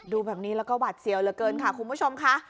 ดูแบบนี้แล้วก็หวัดเสียวเหลือเกินค่ะคุณผู้ชมค่ะ